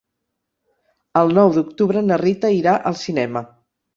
El nou d'octubre na Rita irà al cinema.